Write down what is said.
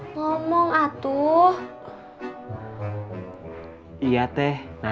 ngeri nih yang kok